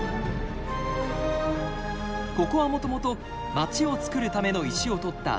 ここはもともと街をつくるための石を採った採掘跡。